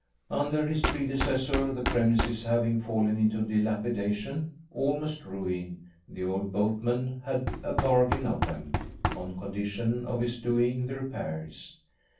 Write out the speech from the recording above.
Under his predecessor the premises having fallen into dilapidation almost ruin the old boatman had a bargain of them, on condition of his doing the repairs.